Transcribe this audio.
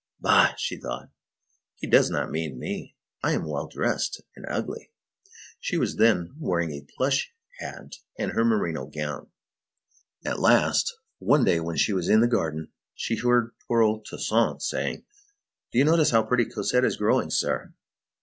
"Bah!" she thought, "he does not mean me. I am well dressed and ugly." She was then wearing a plush hat and her merino gown. At last, one day when she was in the garden, she heard poor old Toussaint saying: "Do you notice how pretty Cosette is growing, sir?"